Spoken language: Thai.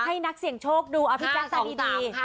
ให้นักเสี่ยงโชคดูเอาพี่แจ๊คฟังดี